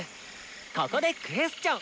ここでクエスチョン。